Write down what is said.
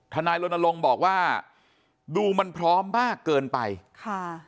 นายรณรงค์บอกว่าดูมันพร้อมมากเกินไปค่ะ